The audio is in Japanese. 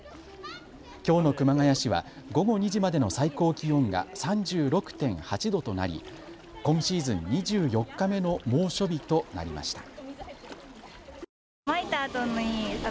きょうの熊谷市は午後２時までの最高気温が３６．８度となり今シーズン２４日目の猛暑日となりました。